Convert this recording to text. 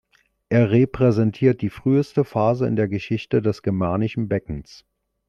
Es repräsentiert die früheste Phase in der Geschichte des Germanischen Beckens.